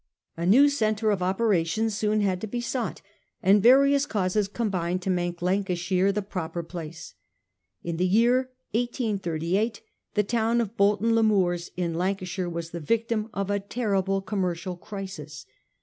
A new centre of operations soon had to be sought, and various causes combined to make Lancashire the proper place, in the year 1838 the town of Bolton le Moors, in Lancashire, was the victim of a terrible commercial crisis.